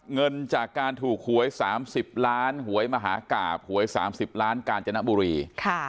เงินจากการถูกหวยสามสิบล้านหวยมหากาบหวยสามสิบล้านการจนบุรีค่ะ